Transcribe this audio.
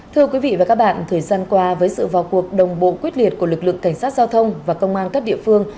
thưa quý vị và các bạn thời gian qua với sự vào cuộc đồng bộ quyết liệt của lực lượng cảnh sát giao thông và công an các địa phương